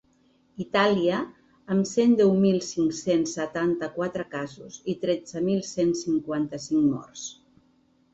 Itàlia, amb cent deu mil cinc-cents setanta-quatre casos i tretze mil cent cinquanta-cinc morts.